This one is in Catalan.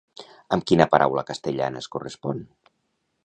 A quina paraula castellana es correspon?